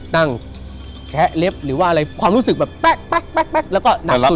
แคะเล็บหรือว่าอะไรความรู้สึกแบบแป๊กแล้วก็หนักสุด